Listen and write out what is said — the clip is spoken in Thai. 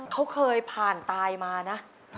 เขาเคยผ่านตายมานะ